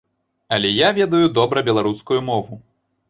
Але я ведаю добра беларускую мову.